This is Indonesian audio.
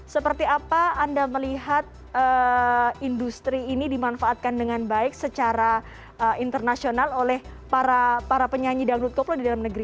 seperti apa anda melihat industri ini dimanfaatkan dengan baik secara internasional oleh para penyanyi dangdut koplo di dalam negeri